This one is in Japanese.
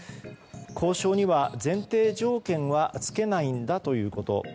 交渉には前提条件はつけないんだということ。